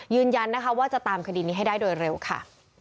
ยืนยันนะคะว่าจะตามคดีนี้ให้ได้โดยเร็วค่ะ